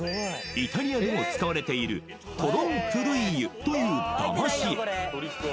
イタリアでも使われているトロンプルイユという騙し絵